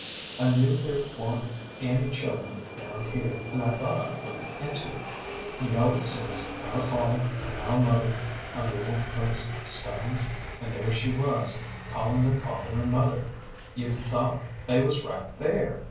I knew there wa'n't any children round here, an' I thought I'd look into it. You know it says ' Our Father,' an' ' Our Mother/ on the old folks' stones. An' there she was, callin' them father an' mother. You'd thought they was right there.